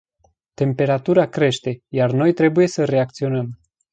Temperatura crește, iar noi trebuie să reacționăm.